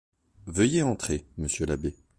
Veuillez entrer, monsieur l'abbé.